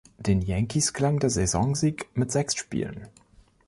Den Yankees gelang der Saisonsieg mit sechs Spielen.